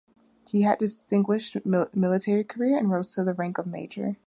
He had a distinguished military career and rose to the rank of Major.